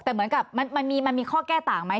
แต่เหมือนกับมันมีข้อแก้ต่างไหม